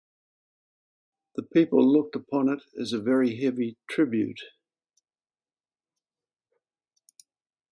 The people looked upon it as a very heavy tribute.